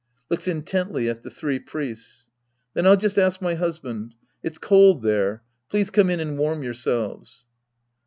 {Looks intetttly at the three priests.) Then I'll just ask my husband. It's cold there. Please come in and warm yourselves.